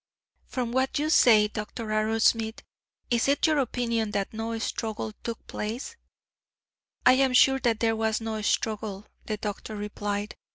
"From what you say, Dr. Arrowsmith, it is your opinion that no struggle took place?" "I am sure that there was no struggle," the doctor replied.